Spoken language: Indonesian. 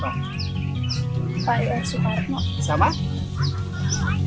pak i r soekarno